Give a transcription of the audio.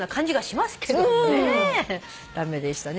駄目でしたね。